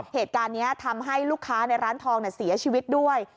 เหตุการณ์นี้ทำให้ลูกค้าในร้านทองเสียชีวิตด้วย